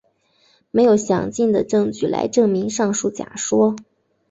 没有详尽的证据来证明上述假说。